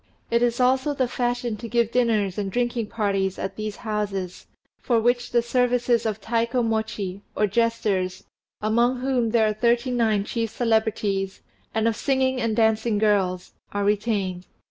It is also the fashion to give dinners and drinking parties at these houses, for which the services of Taikomochi, or jesters, among whom there are thirty nine chief celebrities, and of singing and dancing girls, are retained.